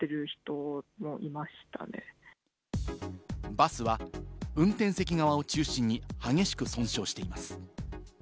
バスは運転席側を中心に激しく損傷しています。